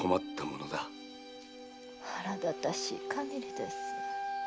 腹立たしい限りです。